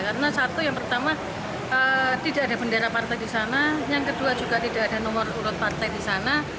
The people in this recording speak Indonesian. karena satu yang pertama tidak ada bendera partai di sana yang kedua juga tidak ada nomor urut partai di sana